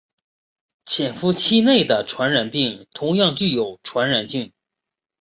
潜伏期内的传染病同样具有传染性。